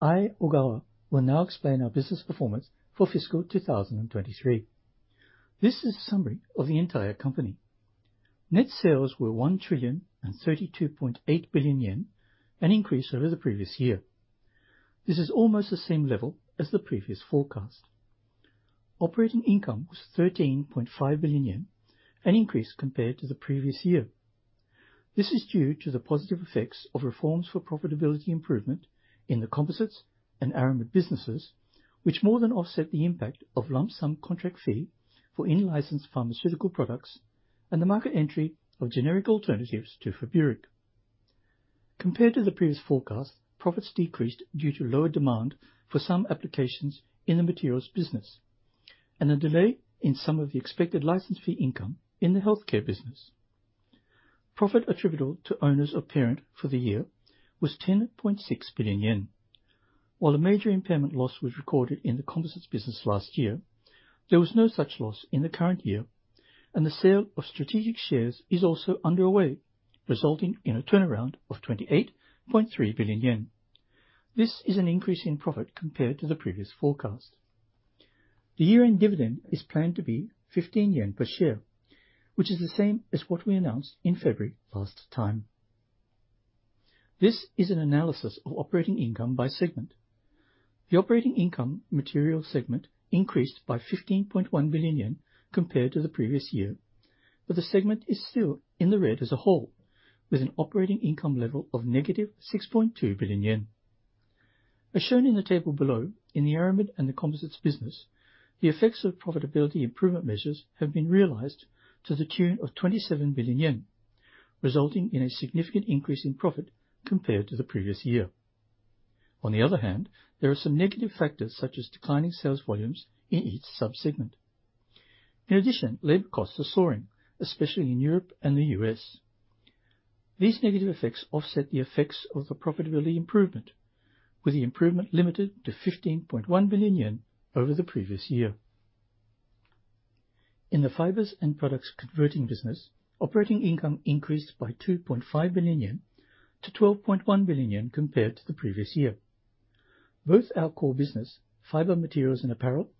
I Ogawa will now explain our business performance for fiscal 2023. This is a summary of the entire company. Net sales were 1 trillion and 32.8 billion yen, an increase over the previous year. This is almost the same level as the previous forecast. Operating income was 13.5 billion yen, an increase compared to the previous year. This is due to the positive effects of reforms for profitability improvement in the composites and aramid businesses, which more than offset the impact of lump-sum contract fee for in-licensed pharmaceutical products and the market entry of generic alternatives to FEBURIC. Compared to the previous forecast, profits decreased due to lower demand for some applications in the materials business and a delay in some of the expected license fee income in the healthcare business. Profit attributable to owners of parent for the year was 10.6 billion yen. While a major impairment loss was recorded in the composites business last year, there was no such loss in the current year, and the sale of strategic shares is also underway, resulting in a turnaround of 28.3 billion yen. This is an increase in profit compared to the previous forecast. The year-end dividend is planned to be 15 yen per share, which is the same as what we announced in February last time. This is an analysis of operating income by segment. The operating income Material Segment increased by 15.1 billion yen compared to the previous year, but the segment is still in the red as a whole, with an operating income level of -6.2 billion yen. As shown in the table below, in the aramid and the composites business, the effects of profitability improvement measures have been realized to the tune of 27 billion yen, resulting in a significant increase in profit compared to the previous year. On the other hand, there are some negative factors such as declining sales volumes in each subsegment. In addition, labor costs are soaring, especially in Europe and the U.S. These negative effects offset the effects of the profitability improvement, with the improvement limited to 15.1 billion yen over the previous year. In the fibers and products converting business, operating income increased by 2.5 billion yen to 12.1 billion yen compared to the previous year. Both our core business, fiber materials and apparel,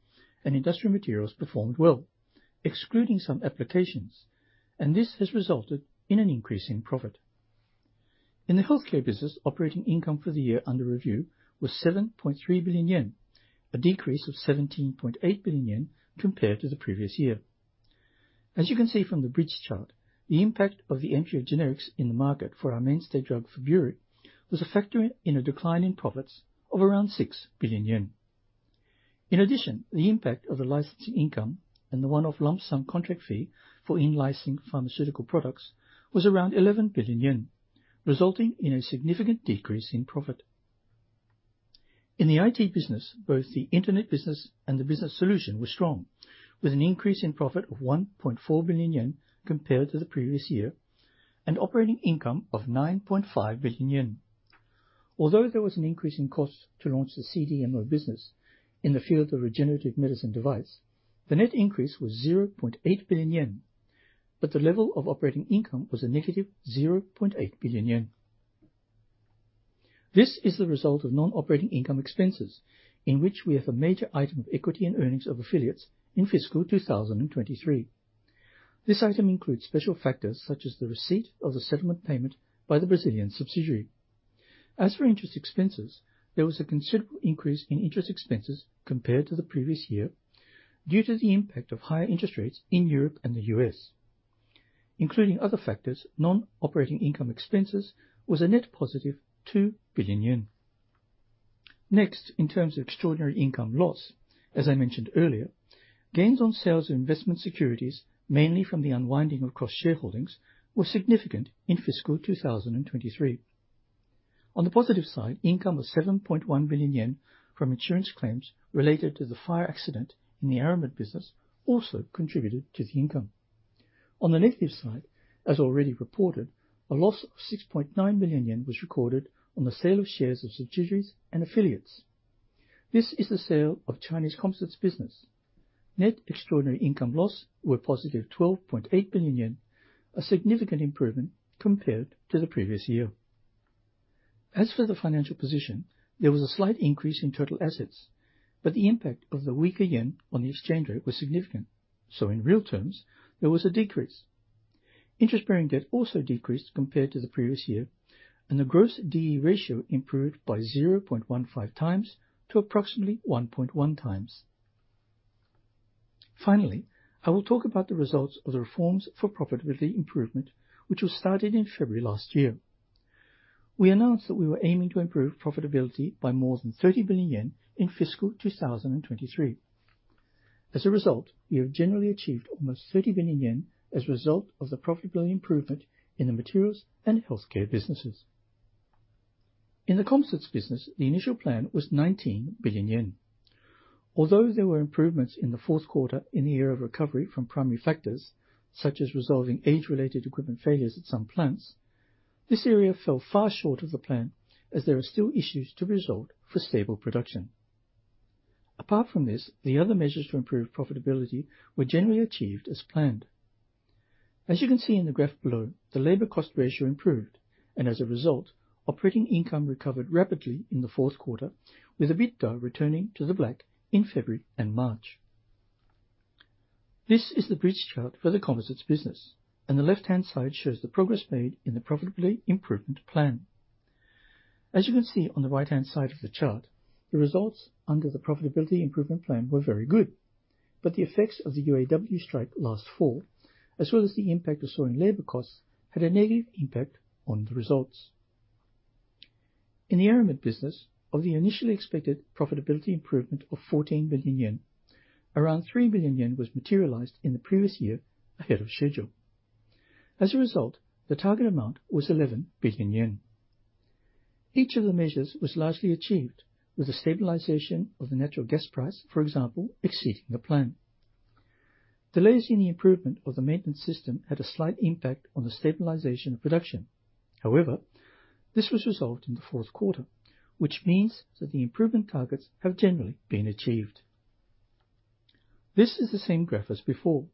and industrial materials performed well, excluding some applications, and this has resulted in an increase in profit. In the healthcare business, operating income for the year under review was 7.3 billion yen, a decrease of 17.8 billion yen compared to the previous year. As you can see from the bridge chart, the impact of the entry of generics in the market for our mainstay drug FEBURIC was a factor in a decline in profits of around 6 billion yen. In addition, the impact of the licensing income and the one-off lump-sum contract fee for in-licensed pharmaceutical products was around 11 billion yen, resulting in a significant decrease in profit. In the IT business, both the internet business and the Business Solution were strong, with an increase in profit of 1.4 billion yen compared to the previous year and operating income of 9.5 billion yen. Although there was an increase in costs to launch the CDMO business in the field of regenerative medicine device, the net increase was 0.8 billion yen, but the level of operating income was a negative 0.8 billion yen. This is the result of non-operating income expenses, in which we have a major item of equity and earnings of affiliates in fiscal 2023. This item includes special factors such as the receipt of the settlement payment by the Brazilian subsidiary. As for interest expenses, there was a considerable increase in interest expenses compared to the previous year due to the impact of higher interest rates in Europe and the U.S. Including other factors, non-operating income expenses was a net positive 2 billion yen. Next, in terms of extraordinary income loss, as I mentioned earlier, gains on sales of investment securities, mainly from the unwinding of cross-shareholdings, were significant in fiscal 2023. On the positive side, income of 7.1 billion yen from insurance claims related to the fire accident in the aramid business also contributed to the income. On the negative side, as already reported, a loss of 6.9 billion yen was recorded on the sale of shares of subsidiaries and affiliates. This is the sale of Chinese composites business. Net extraordinary income loss was positive 12.8 billion yen, a significant improvement compared to the previous year. As for the financial position, there was a slight increase in total assets, but the impact of the weaker yen on the exchange rate was significant, so in real terms, there was a decrease. Interest-bearing debt also decreased compared to the previous year, and the gross DE ratio improved by 0.15 times to approximately 1.1 times. Finally, I will talk about the results of the reforms for profitability improvement, which were started in February last year. We announced that we were aiming to improve profitability by more than 30 billion yen in fiscal 2023. As a result, we have generally achieved almost 30 billion yen as a result of the profitability improvement in the materials and healthcare businesses. In the composites business, the initial plan was 19 billion yen. Although there were improvements in the Q4 in the area of recovery from primary factors, such as resolving age-related equipment failures at some plants, this area fell far short of the plan as there are still issues to resolve for stable production. Apart from this, the other measures to improve profitability were generally achieved as planned. As you can see in the graph below, the labor cost ratio improved, and as a result, operating income recovered rapidly in the Q4, with EBITDA returning to the black in February and March. This is the bridge chart for the composites business, and the left-hand side shows the progress made in the profitability improvement plan. As you can see on the right-hand side of the chart, the results under the profitability improvement plan were very good, but the effects of the UAW strike last fall, as well as the impact of soaring labor costs, had a negative impact on the results. In the aramid business, of the initially expected profitability improvement of 14 billion yen, around 3 billion yen was materialized in the previous year ahead of schedule. As a result, the target amount was 11 billion yen. Each of the measures was largely achieved with the stabilization of the natural gas price, for example, exceeding the plan. Delays in the improvement of the maintenance system had a slight impact on the stabilization of production. However, this was resolved in the Q4, which means that the improvement targets have generally been achieved. This is the same graph as before.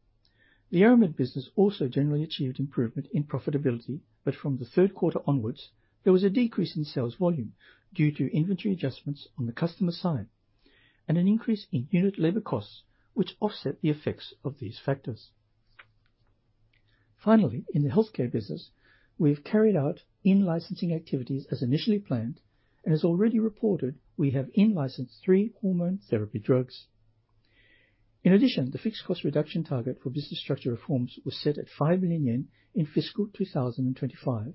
The Aramid business also generally achieved improvement in profitability, but from the Q3 onwards, there was a decrease in sales volume due to inventory adjustments on the customer side and an increase in unit labor costs, which offset the effects of these factors. Finally, in the healthcare business, we have carried out in-licensing activities as initially planned, and as already reported, we have in-licensed three hormone therapy drugs. In addition, the fixed cost reduction target for business structure reforms was set at 5 billion yen in fiscal 2025,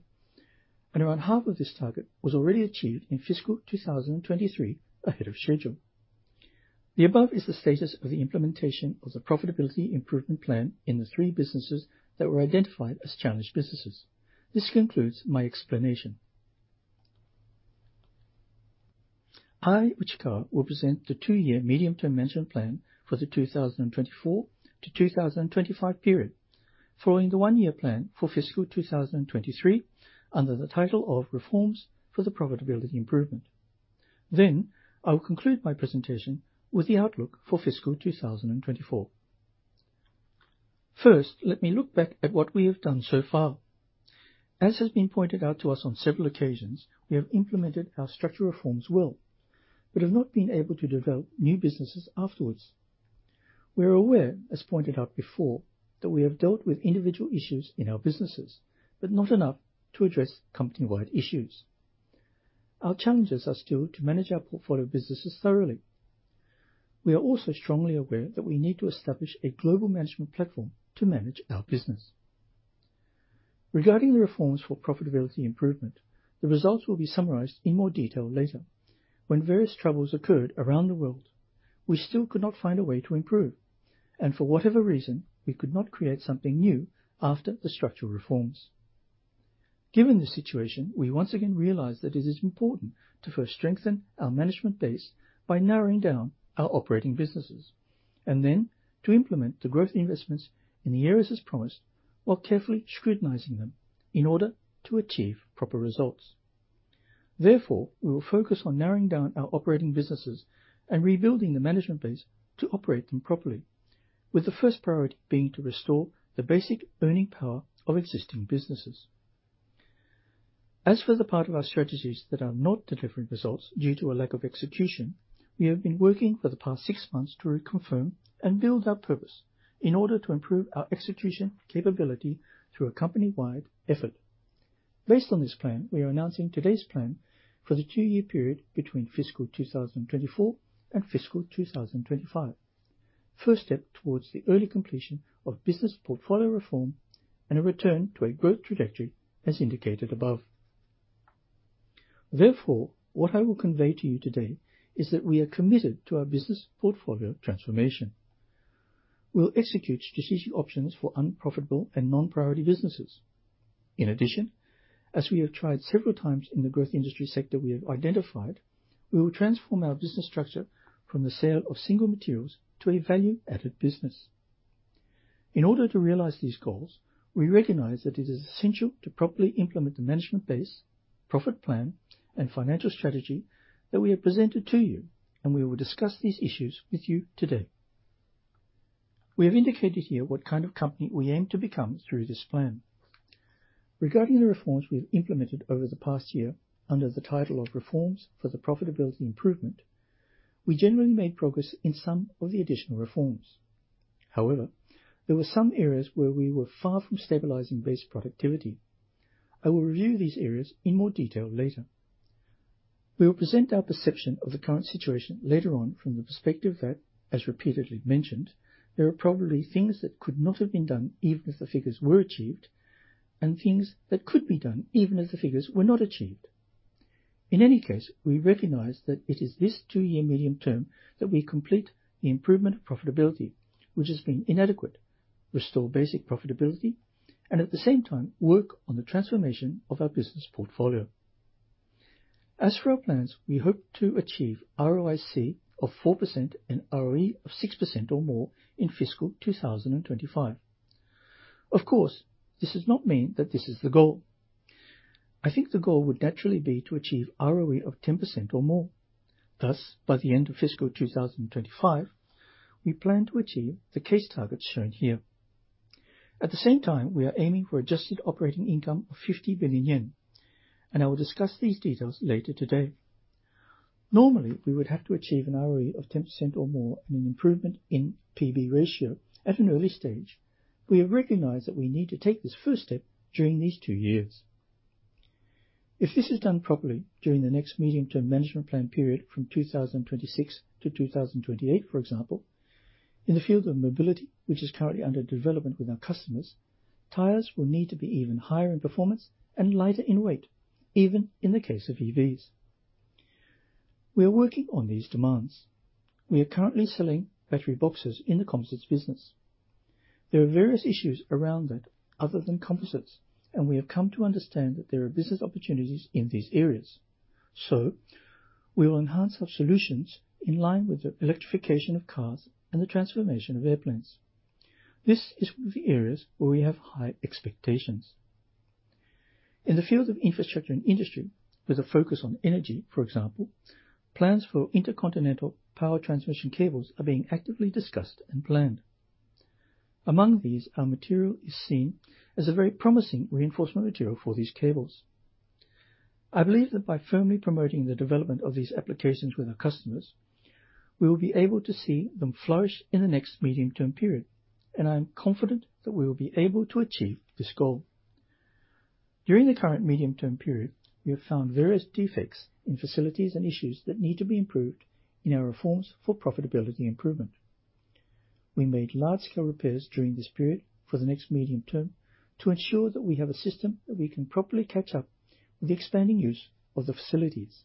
and around half of this target was already achieved in fiscal 2023 ahead of schedule. The above is the status of the implementation of the profitability improvement plan in the three businesses that were identified as challenged businesses. This concludes my explanation. I, Ogawa, will present the two-year medium-term management plan for the 2024-2025 period, following the one-year plan for fiscal 2023 under the title of reforms for the profitability improvement. Then I will conclude my presentation with the outlook for fiscal 2024. First, let me look back at what we have done so far. As has been pointed out to us on several occasions, we have implemented our structural reforms well, but have not been able to develop new businesses afterward. We are aware, as pointed out before, that we have dealt with individual issues in our businesses, but not enough to address company-wide issues. Our challenges are still to manage our portfolio businesses thoroughly. We are also strongly aware that we need to establish a global management platform to manage our business. Regarding the reforms for profitability improvement, the results will be summarized in more detail later. When various troubles occurred around the world, we still could not find a way to improve, and for whatever reason, we could not create something new after the structural reforms. Given the situation, we once again realize that it is important to first strengthen our management base by narrowing down our operating businesses, and then to implement the growth investments in the areas as promised while carefully scrutinizing them in order to achieve proper results. Therefore, we will focus on narrowing down our operating businesses and rebuilding the management base to operate them properly, with the first priority being to restore the basic earning power of existing businesses. As for the part of our strategies that are not delivering results due to a lack of execution, we have been working for the past six months to reconfirm and build our purpose in order to improve our execution capability through a company-wide effort. Based on this plan, we are announcing today's plan for the two-year period between fiscal 2024 and fiscal 2025, first step towards the early completion of business portfolio reform and a return to a growth trajectory as indicated above. Therefore, what I will convey to you today is that we are committed to our business portfolio transformation. We'll execute strategic options for unprofitable and non-priority businesses. In addition, as we have tried several times in the growth industry sector we have identified, we will transform our business structure from the sale of single materials to a value-added business. In order to realize these goals, we recognize that it is essential to properly implement the management base, profit plan, and financial strategy that we have presented to you, and we will discuss these issues with you today. We have indicated here what kind of company we aim to become through this plan. Regarding the reforms we have implemented over the past year under the title of reforms for the profitability improvement, we generally made progress in some of the additional reforms. However, there were some areas where we were far from stabilizing base productivity. I will review these areas in more detail later. We will present our perception of the current situation later on from the perspective that, as repeatedly mentioned, there are probably things that could not have been done even if the figures were achieved, and things that could be done even if the figures were not achieved. In any case, we recognize that it is this two-year medium term that we complete the improvement of profitability, which has been inadequate, restore basic profitability, and at the same time work on the transformation of our business portfolio. As for our plans, we hope to achieve ROIC of 4% and ROE of 6% or more in fiscal 2025. Of course, this does not mean that this is the goal. I think the goal would naturally be to achieve ROE of 10% or more. Thus, by the end of fiscal 2025, we plan to achieve the case targets shown here. At the same time, we are aiming for adjusted operating income of 50 billion yen, and I will discuss these details later today. Normally, we would have to achieve an ROE of 10% or more and an improvement in P/B ratio at an early stage. We have recognized that we need to take this first step during these two years. If this is done properly during the next medium-term management plan period from 2026 to 2028, for example, in the field of mobility, which is currently under development with our customers, tires will need to be even higher in performance and lighter in weight, even in the case of EVs. We are working on these demands. We are currently selling battery boxes in the composites business. There are various issues around that other than composites, and we have come to understand that there are business opportunities in these areas. So we will enhance our solutions in line with the electrification of cars and the transformation of airplanes. This is one of the areas where we have high expectations. In the field of infrastructure and industry, with a focus on energy, for example, plans for intercontinental power transmission cables are being actively discussed and planned. Among these, our material is seen as a very promising reinforcement material for these cables. I believe that by firmly promoting the development of these applications with our customers, we will be able to see them flourish in the next medium-term period, and I am confident that we will be able to achieve this goal. During the current medium-term period, we have found various defects in facilities and issues that need to be improved in our reforms for profitability improvement. We made large-scale repairs during this period for the next medium term to ensure that we have a system that we can properly catch up with the expanding use of the facilities.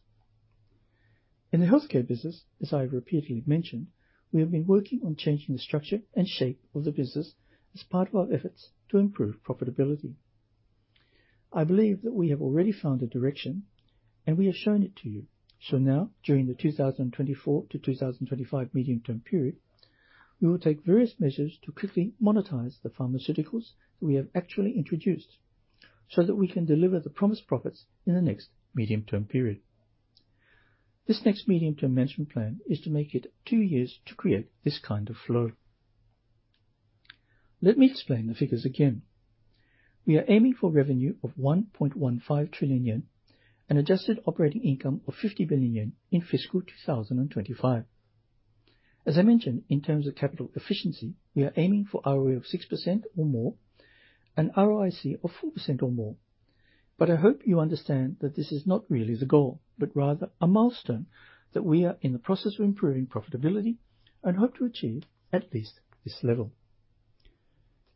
In the healthcare business, as I have repeatedly mentioned, we have been working on changing the structure and shape of the business as part of our efforts to improve profitability. I believe that we have already found a direction, and we have shown it to you. So now, during the 2024-2025 medium-term period, we will take various measures to quickly monetize the pharmaceuticals that we have actually introduced so that we can deliver the promised profits in the next medium-term period. This next medium-term management plan is to make it two years to create this kind of flow. Let me explain the figures again. We are aiming for revenue of 1.15 trillion yen and Adjusted Operating Income of 50 billion yen in fiscal 2025. As I mentioned, in terms of capital efficiency, we are aiming for ROE of 6% or more, an ROIC of 4% or more. But I hope you understand that this is not really the goal, but rather a milestone that we are in the process of improving profitability and hope to achieve at least this level.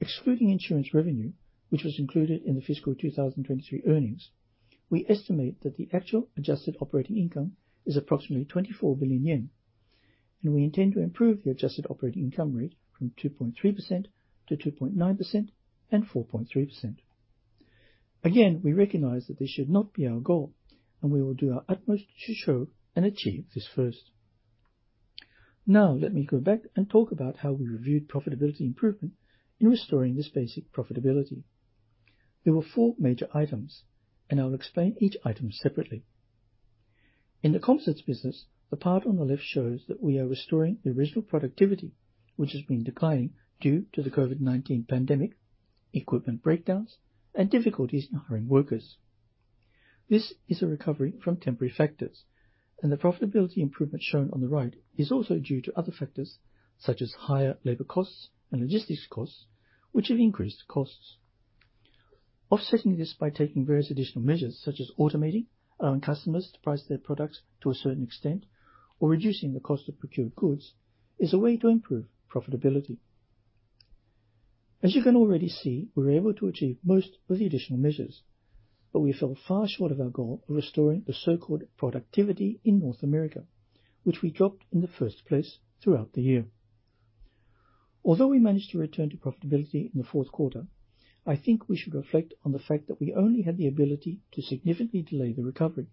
Excluding insurance revenue, which was included in the fiscal 2023 earnings, we estimate that the actual Adjusted Operating Income is approximately 24 billion yen, and we intend to improve the Adjusted Operating Income rate from 2.3%-2.9% and 4.3%. Again, we recognize that this should not be our goal, and we will do our utmost to show and achieve this first. Now, let me go back and talk about how we reviewed profitability improvement in restoring this basic profitability. There were four major items, and I will explain each item separately. In the composites business, the part on the left shows that we are restoring the original productivity, which has been declining due to the COVID-19 pandemic, equipment breakdowns, and difficulties in hiring workers. This is a recovery from temporary factors, and the profitability improvement shown on the right is also due to other factors such as higher labor costs and logistics costs, which have increased costs. Offsetting this by taking various additional measures such as automating, allowing customers to price their products to a certain extent, or reducing the cost of procured goods is a way to improve profitability. As you can already see, we were able to achieve most of the additional measures, but we fell far short of our goal of restoring the so-called productivity in North America, which we dropped in the first place throughout the year. Although we managed to return to profitability in the Q4, I think we should reflect on the fact that we only had the ability to significantly delay the recovery.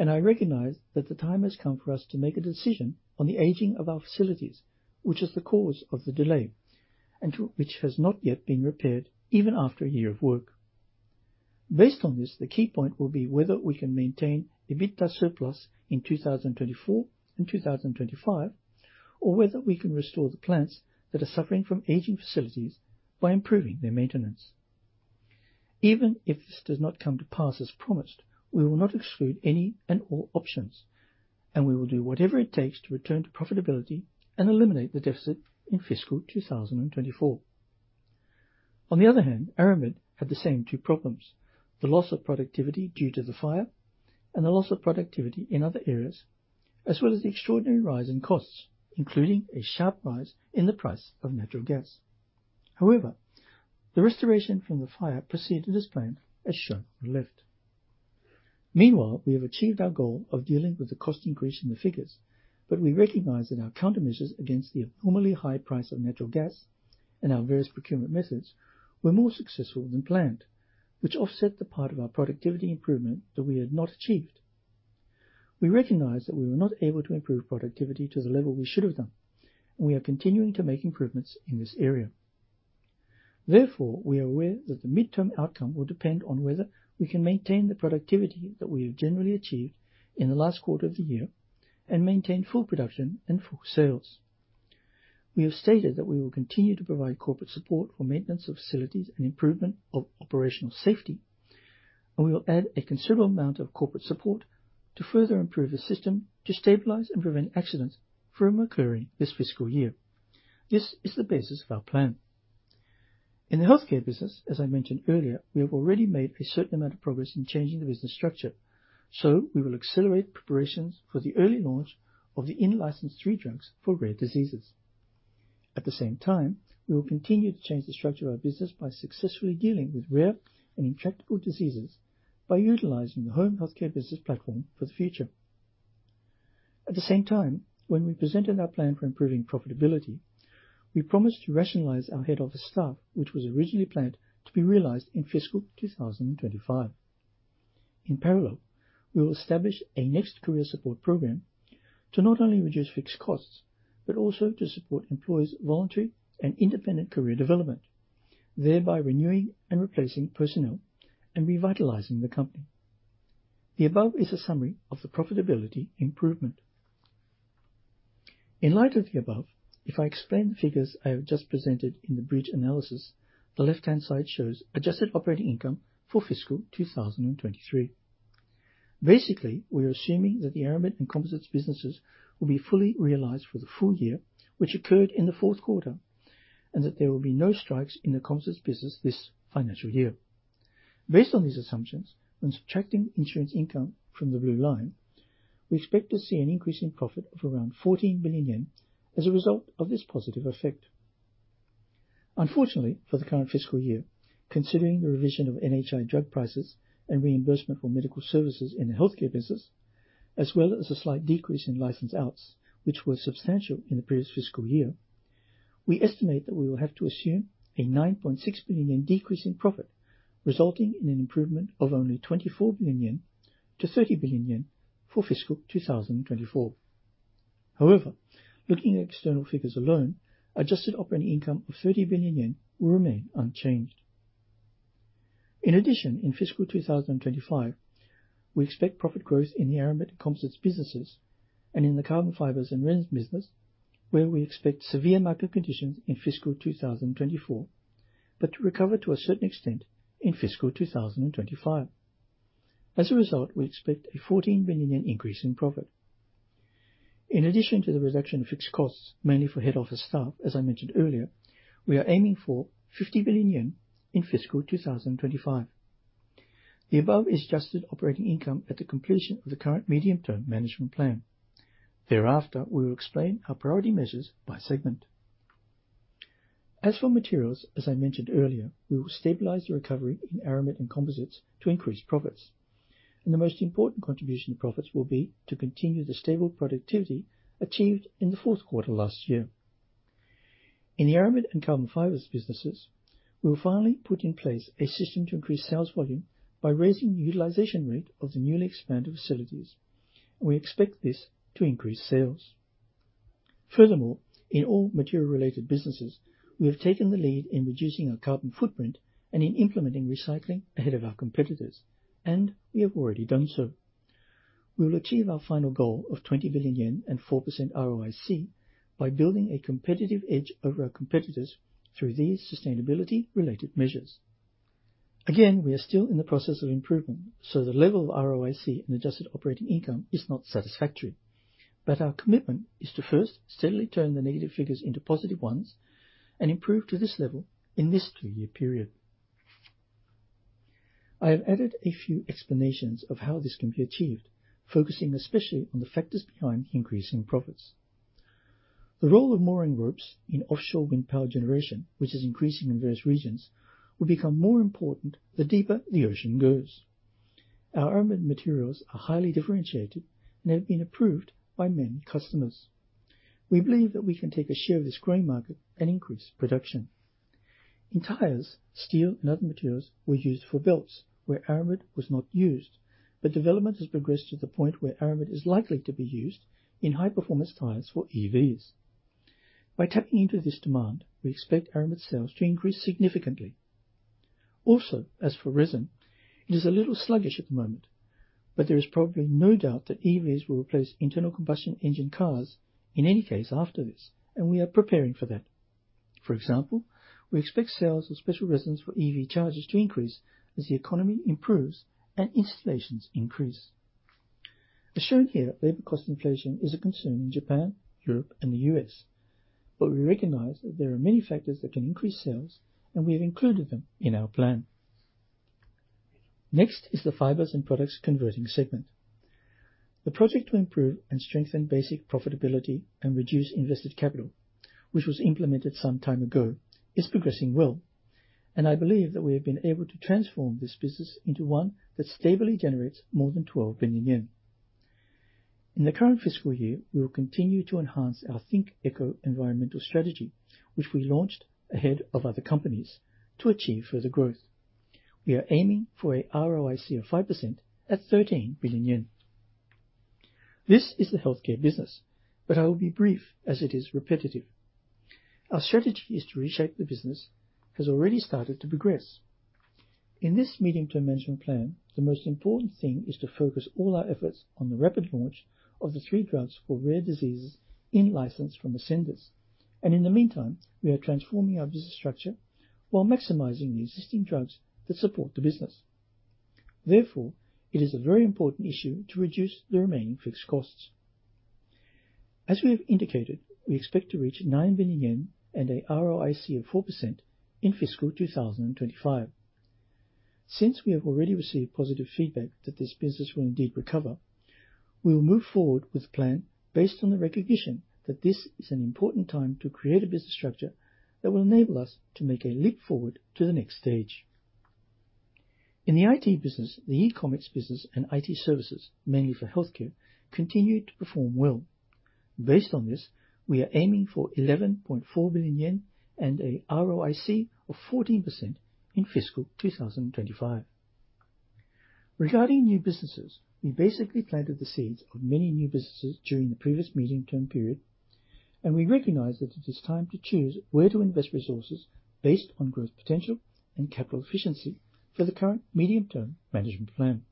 I recognize that the time has come for us to make a decision on the aging of our facilities, which is the cause of the delay and which has not yet been repaired even after a year of work. Based on this, the key point will be whether we can maintain EBITDA surplus in 2024 and 2025, or whether we can restore the plants that are suffering from aging facilities by improving their maintenance. Even if this does not come to pass as promised, we will not exclude any and all options, and we will do whatever it takes to return to profitability and eliminate the deficit in fiscal 2024. On the other hand, Aramid had the same two problems: the loss of productivity due to the fire and the loss of productivity in other areas, as well as the extraordinary rise in costs, including a sharp rise in the price of natural gas. However, the restoration from the fire proceeded as planned, as shown on the left. Meanwhile, we have achieved our goal of dealing with the cost increase in the figures, but we recognize that our countermeasures against the abnormally high price of natural gas and our various procurement methods were more successful than planned, which offset the part of our productivity improvement that we had not achieved. We recognize that we were not able to improve productivity to the level we should have done, and we are continuing to make improvements in this area. Therefore, we are aware that the midterm outcome will depend on whether we can maintain the productivity that we have generally achieved in the last quarter of the year and maintain full production and full sales. We have stated that we will continue to provide corporate support for maintenance of facilities and improvement of operational safety, and we will add a considerable amount of corporate support to further improve the system to stabilize and prevent accidents from occurring this fiscal year. This is the basis of our plan. In the healthcare business, as I mentioned earlier, we have already made a certain amount of progress in changing the business structure. So we will accelerate preparations for the early launch of the in-licensed three drugs for rare diseases. At the same time, we will continue to change the structure of our business by successfully dealing with rare and intractable diseases by utilizing the home healthcare business platform for the future. At the same time, when we presented our plan for improving profitability, we promised to rationalize our head office staff, which was originally planned to be realized in fiscal 2025. In parallel, we will establish a next career support program to not only reduce fixed costs, but also to support employees' voluntary and independent career development, thereby renewing and replacing personnel and revitalizing the company. The above is a summary of the profitability improvement. In light of the above, if I explain the figures I have just presented in the bridge analysis, the left-hand side shows adjusted operating income for fiscal 2023. Basically, we are assuming that the Aramid and composites businesses will be fully realised for the full year, which occurred in the Q4, and that there will be no strikes in the composites business this financial year. Based on these assumptions, when subtracting insurance income from the blue line, we expect to see an increase in profit of around 14 billion yen as a result of this positive effect. Unfortunately, for the current fiscal year, considering the revision of NHI drug prices and reimbursement for medical services in the healthcare business, as well as a slight decrease in license outs, which were substantial in the previous fiscal year, we estimate that we will have to assume a 9.6 billion yen decrease in profit, resulting in an improvement of only 24 billion-30 billion yen for fiscal 2024. However, looking at external figures alone, adjusted operating income of 30 billion yen will remain unchanged. In addition, in fiscal 2025, we expect profit growth in the Aramid composites businesses and in the carbon fibers and resins business, where we expect severe market conditions in fiscal 2024, but to recover to a certain extent in fiscal 2025. As a result, we expect a 14 billion increase in profit. In addition to the reduction of fixed costs, mainly for head office staff, as I mentioned earlier, we are aiming for 50 billion yen in fiscal 2025. The above is adjusted operating income at the completion of the current medium-term management plan. Thereafter, we will explain our priority measures by segment. As for materials, as I mentioned earlier, we will stabilize the recovery in Aramid and composites to increase profits. And the most important contribution to profits will be to continue the stable productivity achieved in the Q4 last year. In the Aramid and carbon fibers businesses, we will finally put in place a system to increase sales volume by raising the utilization rate of the newly expanded facilities. And we expect this to increase sales. Furthermore, in all material-related businesses, we have taken the lead in reducing our carbon footprint and in implementing recycling ahead of our competitors, and we have already done so. We will achieve our final goal of 20 billion yen and 4% ROIC by building a competitive edge over our competitors through these sustainability-related measures. Again, we are still in the process of improvement, so the level of ROIC and adjusted operating income is not satisfactory. But our commitment is to first steadily turn the negative figures into positive ones and improve to this level in this two-year period. I have added a few explanations of how this can be achieved, focusing especially on the factors behind increasing profits. The role of mooring ropes in offshore wind power generation, which is increasing in various regions, will become more important the deeper the ocean goes. Our Aramid materials are highly differentiated and have been approved by many customers. We believe that we can take a share of this gray market and increase production. In tires, steel, and other materials, we use for belts where Aramid was not used, but development has progressed to the point where Aramid is likely to be used in high-performance tires for EVs. By tapping into this demand, we expect Aramid sales to increase significantly. Also, as for resin, it is a little sluggish at the moment, but there is probably no doubt that EVs will replace internal combustion engine cars in any case after this, and we are preparing for that. For example, we expect sales of special resins for EV chargers to increase as the economy improves and installations increase. As shown here, labor cost inflation is a concern in Japan, Europe, and the US. We recognize that there are many factors that can increase sales, and we have included them in our plan. Next is the fibers and products converting segment. The project to improve and strengthen basic profitability and reduce invested capital, which was implemented some time ago, is progressing well. I believe that we have been able to transform this business into one that stably generates more than 12 billion yen. In the current fiscal year, we will continue to enhance our THINK ECO environmental strategy, which we launched ahead of other companies, to achieve further growth. We are aiming for a ROIC of 5% at 13 billion yen. This is the healthcare business, but I will be brief as it is repetitive. Our strategy is to reshape the business has already started to progress. In this medium-term management plan, the most important thing is to focus all our efforts on the rapid launch of the three drugs for rare diseases in-licensed from Ascendis. And in the meantime, we are transforming our business structure while maximizing the existing drugs that support the business. Therefore, it is a very important issue to reduce the remaining fixed costs. As we have indicated, we expect to reach 9 billion yen and a ROIC of 4% in fiscal 2025. Since we have already received positive feedback that this business will indeed recover, we will move forward with the plan based on the recognition that this is an important time to create a business structure that will enable us to make a leap forward to the next stage. In the IT business, the e-commerce business and IT services, mainly for healthcare, continue to perform well. Based on this, we are aiming for 11.4 billion yen and a ROIC of 14% in fiscal 2025. Regarding new businesses, we basically planted the seeds of many new businesses during the previous medium-term period, and we recognize that it is time to choose where to invest resources based on growth potential and capital efficiency for the current medium-term management plan.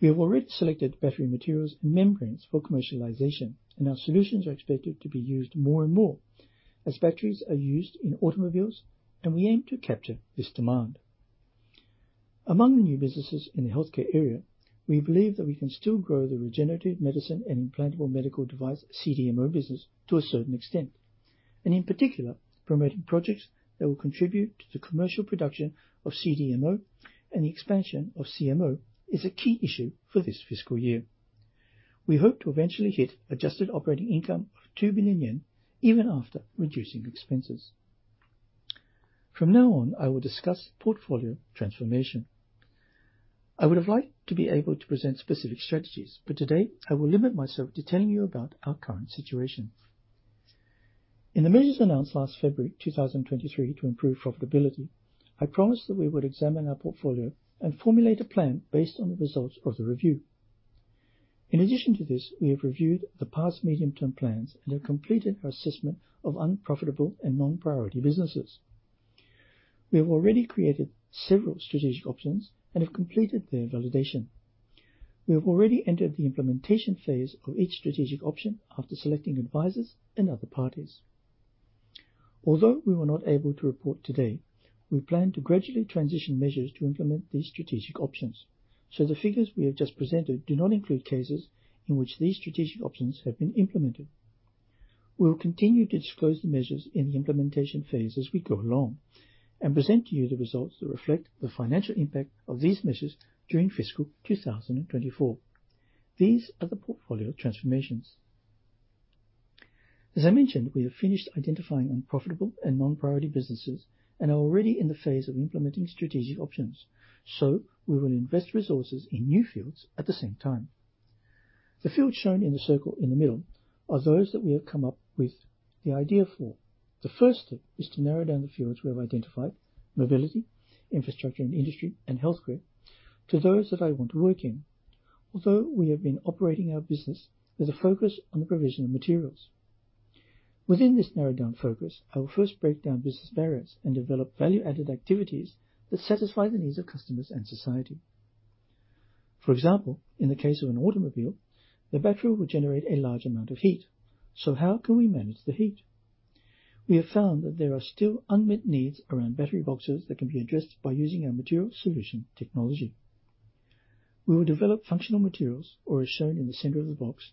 We have already selected battery materials and membranes for commercialization, and our solutions are expected to be used more and more as batteries are used in automobiles, and we aim to capture this demand. Among the new businesses in the healthcare area, we believe that we can still grow the regenerative medicine and implantable medical device CDMO business to a certain extent. And in particular, promoting projects that will contribute to the commercial production of CDMO and the expansion of CMO is a key issue for this fiscal year. We hope to eventually hit adjusted operating income of 2 billion yen even after reducing expenses. From now on, I will discuss portfolio transformation. I would have liked to be able to present specific strategies, but today I will limit myself to telling you about our current situation. In the measures announced last February 2023 to improve profitability, I promised that we would examine our portfolio and formulate a plan based on the results of the review. In addition to this, we have reviewed the past medium-term plans and have completed our assessment of unprofitable and non-priority businesses. We have already created several strategic options and have completed their validation. We have already entered the implementation phase of each strategic option after selecting advisors and other parties. Although we were not able to report today, we plan to gradually transition measures to implement these strategic options. So the figures we have just presented do not include cases in which these strategic options have been implemented. We will continue to disclose the measures in the implementation phase as we go along and present to you the results that reflect the financial impact of these measures during fiscal 2024. These are the portfolio transformations. As I mentioned, we have finished identifying unprofitable and non-priority businesses and are already in the phase of implementing strategic options. So we will invest resources in new fields at the same time. The fields shown in the circle in the middle are those that we have come up with the idea for. The first step is to narrow down the fields we have identified, mobility, infrastructure and industry, and healthcare, to those that I want to work in, although we have been operating our business with a focus on the provision of materials. Within this narrowed-down focus, I will first break down business barriers and develop value-added activities that satisfy the needs of customers and society. For example, in the case of an automobile, the battery will generate a large amount of heat. So how can we manage the heat? We have found that there are still unmet needs around battery boxes that can be addressed by using our material solution technology. We will develop functional materials, or as shown in the center of the box,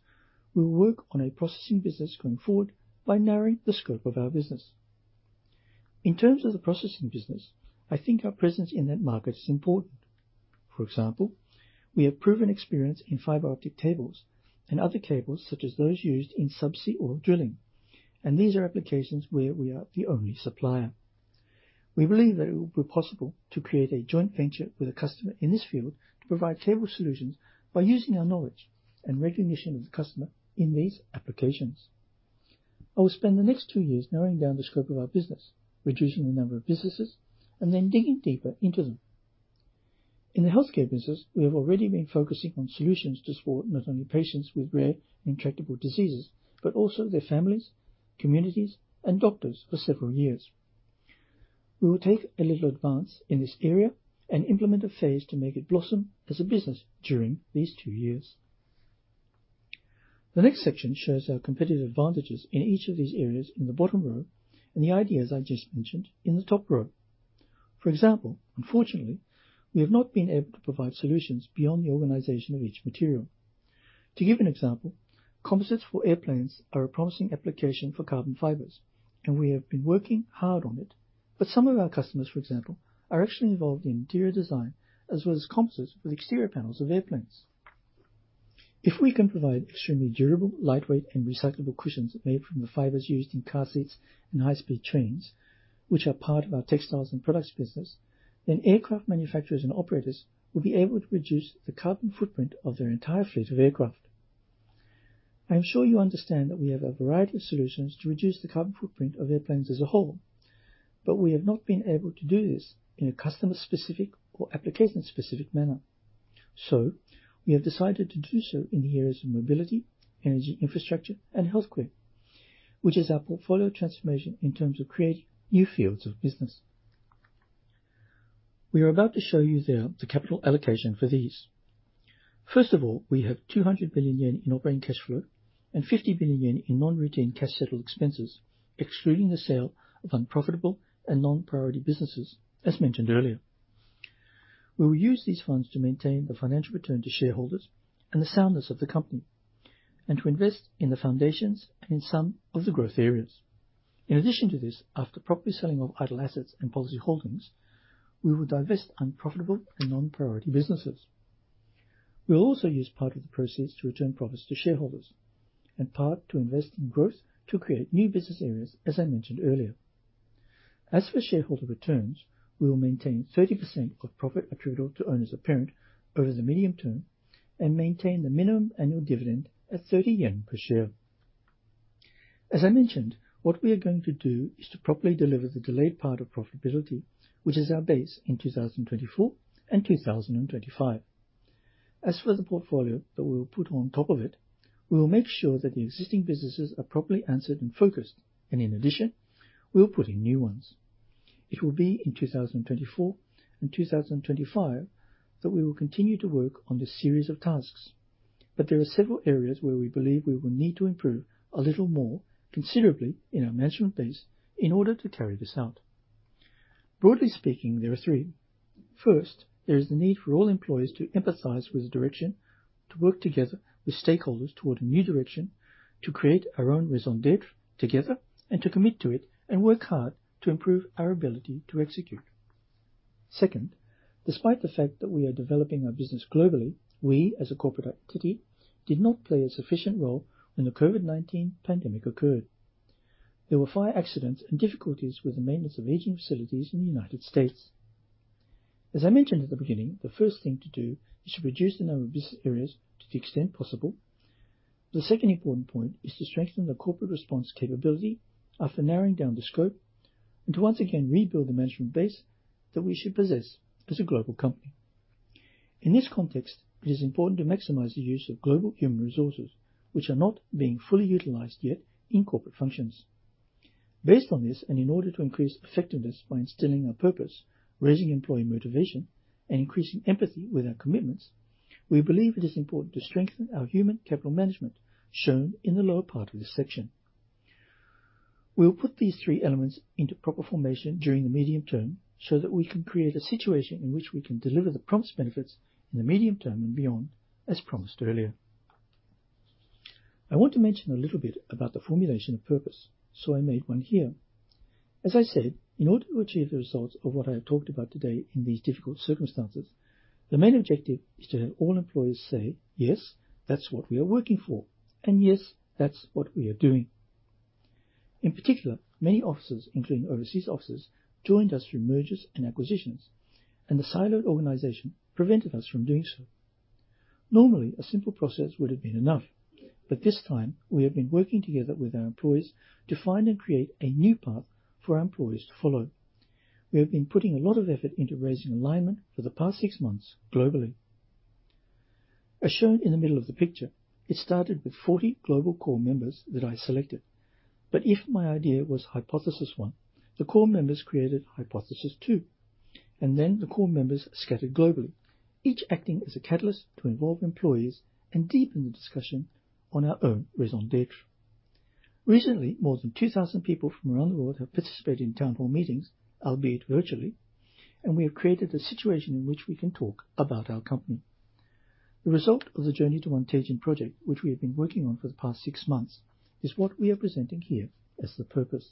we will work on a processing business going forward by narrowing the scope of our business. In terms of the processing business, I think our presence in that market is important. For example, we have proven experience in fiber optic cables and other cables such as those used in subsea oil drilling. And these are applications where we are the only supplier. We believe that it will be possible to create a joint venture with a customer in this field to provide cable solutions by using our knowledge and recognition of the customer in these applications. I will spend the next two years narrowing down the scope of our business, reducing the number of businesses, and then digging deeper into them. In the healthcare business, we have already been focusing on solutions to support not only patients with rare and intractable diseases, but also their families, communities, and doctors for several years. We will take a little advance in this area and implement a phase to make it blossom as a business during these two years. The next section shows our competitive advantages in each of these areas in the bottom row and the ideas I just mentioned in the top row. For example, unfortunately, we have not been able to provide solutions beyond the organization of each material. To give an example, composites for airplanes are a promising application for carbon fibers, and we have been working hard on it, but some of our customers, for example, are actually involved in interior design as well as composites for the exterior panels of airplanes. If we can provide extremely durable, lightweight, and recyclable cushions made from the fibers used in car seats and high-speed trains, which are part of our textiles and products business, then aircraft manufacturers and operators will be able to reduce the carbon footprint of their entire fleet of aircraft. I am sure you understand that we have a variety of solutions to reduce the carbon footprint of airplanes as a whole, but we have not been able to do this in a customer-specific or application-specific manner. We have decided to do so in the areas of mobility, energy infrastructure and healthcare, which is our portfolio transformation in terms of creating new fields of business. We are about to show you the capital allocation for these. First of all, we have 200 billion yen in operating cash flow and 50 billion yen in non-routine cash settled expenses, excluding the sale of unprofitable and non-priority businesses, as mentioned earlier. We will use these funds to maintain the financial return to shareholders and the soundness of the company, and to invest in the foundations and in some of the growth areas. In addition to this, after properly selling off idle assets and policy holdings, we will divest unprofitable and non-priority businesses. We will also use part of the process to return profits to shareholders and part to invest in growth to create new business areas, as I mentioned earlier. As for shareholder returns, we will maintain 30% of profit attributable to owners of parent over the medium term and maintain the minimum annual dividend at 30 yen per share. As I mentioned, what we are going to do is to properly deliver the delayed part of profitability, which is our base in 2024 and 2025. As for the portfolio that we will put on top of it, we will make sure that the existing businesses are properly answered and focused, and in addition, we will put in new ones. It will be in 2024 and 2025 that we will continue to work on this series of tasks. But there are several areas where we believe we will need to improve a little more, considerably, in our management base in order to carry this out. Broadly speaking, there are three. First, there is the need for all employees to empathize with the direction, to work together with stakeholders towards a new direction, to create our own raison d'être together, and to commit to it and work hard to improve our ability to execute. Second, despite the fact that we are developing our business globally, we, as a corporate entity, did not play a sufficient role when the COVID-19 pandemic occurred. There were fire accidents and difficulties with the maintenance of aging facilities in the United States. As I mentioned at the beginning, the first thing to do is to reduce the number of business areas to the extent possible. The second important point is to strengthen the corporate response capability after narrowing down the scope and to once again rebuild the management base that we should possess as a global company. In this context, it is important to maximize the use of global human resources, which are not being fully utilized yet in corporate functions. Based on this, and in order to increase effectiveness by instilling our purpose, raising employee motivation, and increasing empathy with our commitments, we believe it is important to strengthen our human capital management shown in the lower part of this section. We will put these three elements into proper formation during the medium term so that we can create a situation in which we can deliver the promised benefits in the medium term and beyond, as promised earlier. I want to mention a little bit about the formulation of purpose, so I made one here. As I said, in order to achieve the results of what I have talked about today in these difficult circumstances, the main objective is to have all employees say, "Yes, that's what we are working for," and, "Yes, that's what we are doing." In particular, many offices, including overseas offices, joined us through mergers and acquisitions, and the siloed organization prevented us from doing so. Normally, a simple process would have been enough, but this time we have been working together with our employees to find and create a new path for our employees to follow. We have been putting a lot of effort into raising alignment for the past six months globally. As shown in the middle of the picture, it started with 40 global core members that I selected. But if my idea was hypothesis one, the core members created hypothesis two, and then the core members scattered globally, each acting as a catalyst to involve employees and deepen the discussion on our own raison d'être. Recently, more than 2,000 people from around the world have participated in town hall meetings, albeit virtually, and we have created a situation in which we can talk about our company. The result of the journey to One Teijin project, which we have been working on for the past six months, is what we are presenting here as the purpose.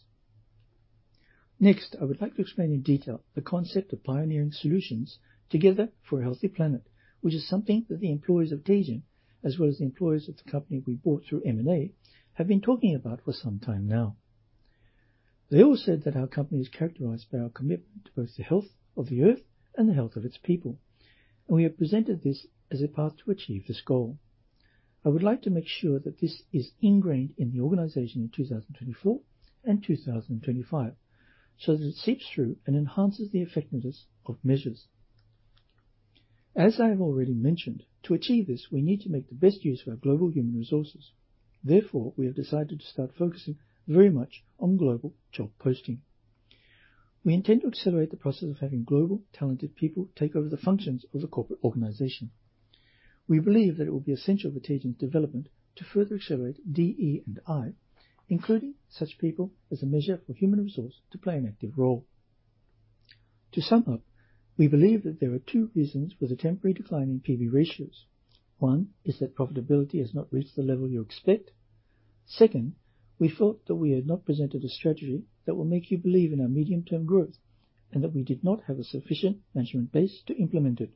Next, I would like to explain in detail the concept of Pioneering Solutions Together for a Healthy Planet, which is something that the employees of Teijin, as well as the employees of the company we bought through M&A, have been talking about for some time now. They all said that our company is characterized by our commitment to both the health of the earth and the health of its people, and we have presented this as a path to achieve this goal. I would like to make sure that this is ingrained in the organization in 2024 and 2025 so that it seeps through and enhances the effectiveness of measures. As I have already mentioned, to achieve this, we need to make the best use of our global human resources. Therefore, we have decided to start focusing very much on global job posting. We intend to accelerate the process of having global, talented people take over the functions of the corporate organization. We believe that it will be essential for Teijin's development to further accelerate DE&I, including such people as a measure for human resource to play an active role. To sum up, we believe that there are two reasons for the temporary decline in P/B ratios. One is that profitability has not reached the level you expect. Second, we felt that we had not presented a strategy that will make you believe in our medium-term growth and that we did not have a sufficient management base to implement it.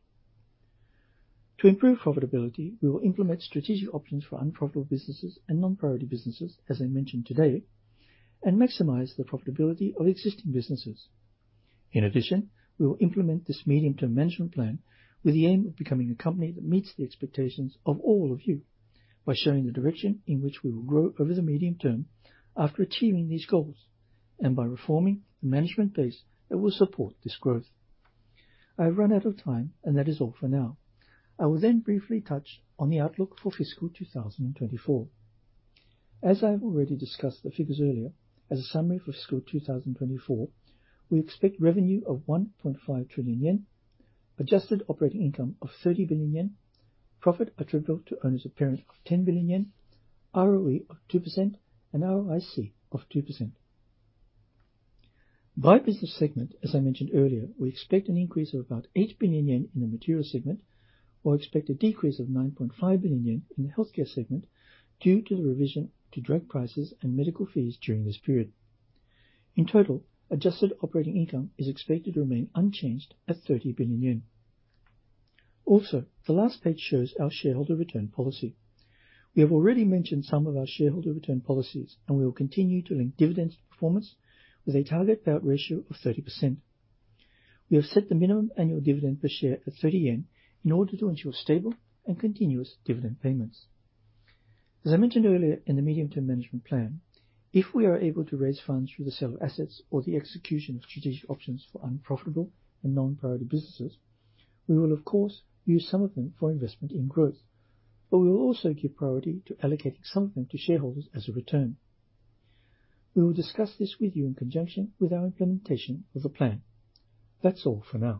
To improve profitability, we will implement strategic options for unprofitable businesses and non-priority businesses, as I mentioned today, and maximize the profitability of existing businesses. In addition, we will implement this medium-term management plan with the aim of becoming a company that meets the expectations of all of you by showing the direction in which we will grow over the medium term after achieving these goals and by reforming the management base that will support this growth. I have run out of time, and that is all for now. I will then briefly touch on the outlook for fiscal 2024. As I have already discussed the figures earlier, as a summary for fiscal 2024, we expect revenue of 1.5 trillion yen, adjusted operating income of 30 billion yen, profit attributable to owners of parent of 10 billion yen, ROE of 2%, and ROIC of 2%. By business segment, as I mentioned earlier, we expect an increase of about 8 billion yen in the material segment and expect a decrease of 9.5 billion yen in the healthcare segment due to the revision to drug prices and medical fees during this period. In total, adjusted operating income is expected to remain unchanged at 30 billion yen. Also, the last page shows our shareholder return policy. We have already mentioned some of our shareholder return policies, and we will continue to link dividends to performance with a target payout ratio of 30%. We have set the minimum annual dividend per share at 30 yen in order to ensure stable and continuous dividend payments. As I mentioned earlier in the medium-term management plan, if we are able to raise funds through the sale of assets or the execution of strategic options for unprofitable and non-priority businesses, we will, of course, use some of them for investment in growth, but we will also give priority to allocating some of them to shareholders as a return. We will discuss this with you in conjunction with our implementation of the plan. That's all for now.